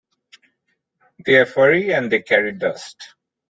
They're furry and they carry dust.